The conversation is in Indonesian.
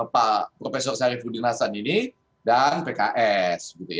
pak prof sary fudinasan ini dan pks